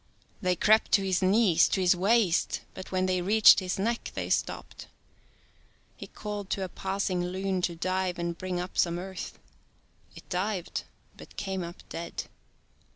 They crept to his knees, to his waist, but when they reached his neck they stopped. He called to a passing loon to dive and bring up some earth. It dived but came up dead.